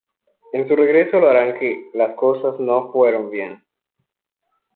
En su regreso a la 'oranje', las cosas no fueron bien.